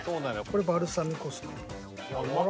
これバルサミコ酢の方。